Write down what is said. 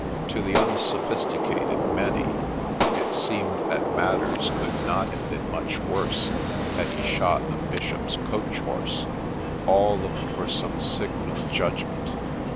To the unsophisticated many it seemed that matters could not have been much worse had he shot a bishop's coach horse, — all looked for some signal judg ment.